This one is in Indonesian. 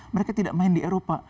mereka tidak main di eropa